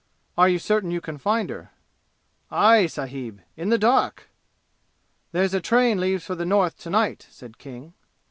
"Are you certain you can find her?" "Aye, sahib, in the dark!" "There's a train leaves for the North to night," said King.